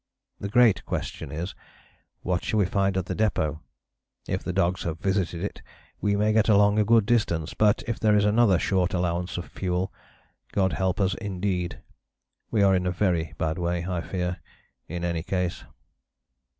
The great question is: What shall we find at the depôt? If the dogs have visited it we may get along a good distance, but if there is another short allowance of fuel, God help us indeed. We are in a very bad way, I fear, in any case."